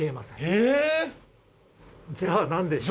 じゃあ何でしょう？